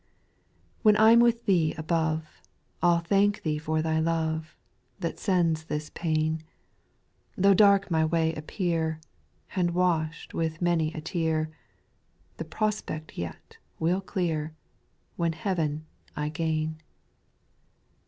2. When I 'm with Thee above, I '11 thank Thee for Thy love. That sends this pain. Tho' dark my way appear, And washed with many a tear, The prospect yet will clear, When heaven I gain.